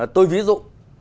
tôi ví dụ